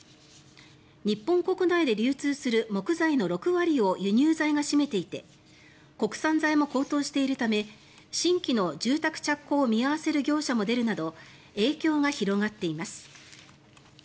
日本国内で流通する木材の６割を輸入材が占めていて国産材も高騰しているため新規の住宅着工を見合わせる業者も出るなど